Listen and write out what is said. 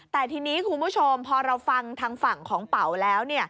แต่ทีนี้คุณผู้ชมพอเราฟังทางฝั่งของเป๋าแล้ว